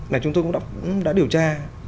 mà chúng tôi cũng đã điều tra